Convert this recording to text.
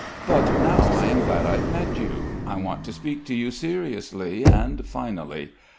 "But now I am glad to have met you. I want to speak to you seriously and finally.